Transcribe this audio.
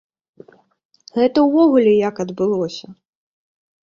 Гэта ўвогуле як адбылося?